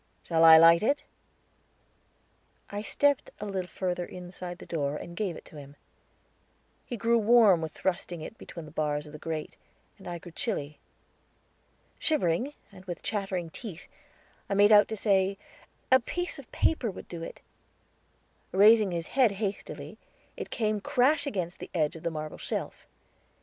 "Shall I light it?" I stepped a little further inside the door and gave it to him. He grew warm with thrusting it between the bars of the grate, and I grew chilly. Shivering, and with chattering teeth, I made out to say, "A piece of paper would do it." Raising his head hastily, it came crash against the edge of the marble shelf.